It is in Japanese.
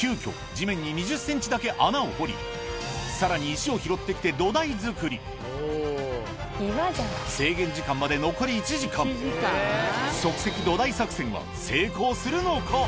地面に２０ｃｍだけ穴を掘りさらに石を拾ってきて土台作り制限時間まで残り１時間は成功するのか？